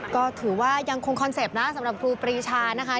ก็ถือว่ายังคงคอนเซ็ปต์นะสำหรับครูปรีชานะคะ